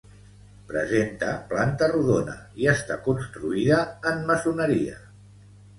Presenta planta rodona i està construïda en maçoneria.